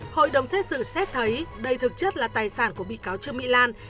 hội đồng xét xử xét thấy đây thực chất là tài sản của bị cáo trương mỹ lan